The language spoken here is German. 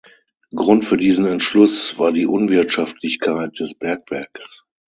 Grund für diesen Entschluss war die Unwirtschaftlichkeit des Bergwerks.